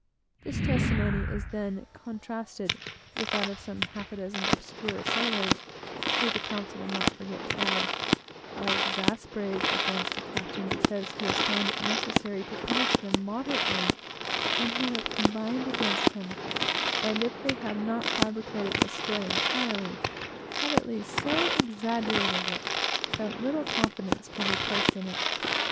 This testimony is then contrasted with that of some half dozen obscure sailors, who, the counsel will not forget to add, are exasperated against the captain because he has found it necessary to punish them moderately, and who have combined against him, and if they have not fabricated a story entirely, have at least so exaggerated it, that little confidence can be placed in it.